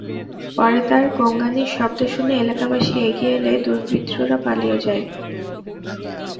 পরে তাঁর গোঙানির শব্দ শুনে এলাকাবাসী এগিয়ে এলে দুর্বৃত্তরা পালিয়ে যায়।